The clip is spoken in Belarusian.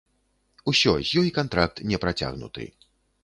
Усё, з ёй кантракт не працягнуты.